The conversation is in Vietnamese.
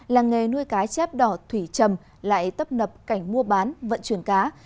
làng nghề nuôi cá chép đỏ thủy trầm lại tấp nập cảnh mua bán vận chuyển cá